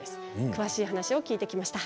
詳しい話を聞いてきました。